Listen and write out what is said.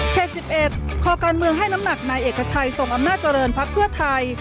๑๑คอการเมืองให้น้ำหนักนายเอกชัยทรงอำนาจเจริญพักเพื่อไทย